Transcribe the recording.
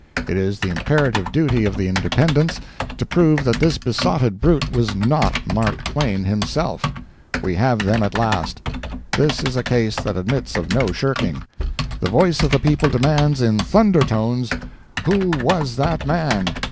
It is the imperative duty of the Independents to prove that this besotted brute was not Mark Twain himself: We have them at last! This is a case that admits of no shirking. The voice of the people demands in thunder tones: "WHO WAS THAT MAN?